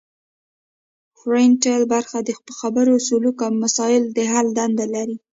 فرنټل برخه د خبرو سلوک او مسایلو د حل دنده لري